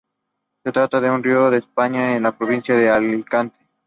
Se trata de un río de España, en la provincia de Alicante.